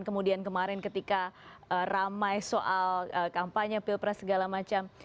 kemudian kemarin ketika ramai soal kampanye pilpres segala macam